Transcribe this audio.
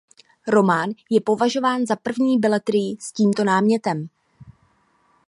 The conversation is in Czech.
Román je považován za první beletrii s tímto námětem.